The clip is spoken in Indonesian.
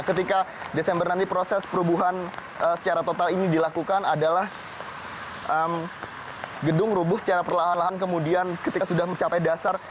ketika desember nanti proses perubuhan secara total ini dilakukan adalah gedung rubuh secara perlahan lahan kemudian ketika sudah mencapai dasar